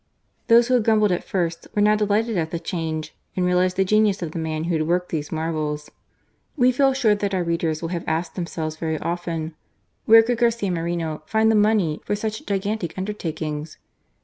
Those who had grumbled at first were now delighted at the change, and realized the genius of the man who had worked these marvels. We feel sure that our readers will have asked themselves very often :" Where could Garcia Moreno find the money for such gigantic undertakings?"